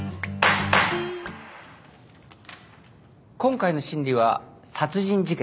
今回の審理は殺人事件です。